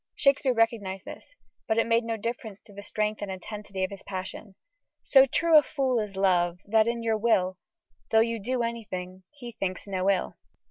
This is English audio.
Shakespeare recognised this, but it made no difference to the strength and intensity of his passion: So true a fool is love, that in your will, Though you do anything, he thinks no ill.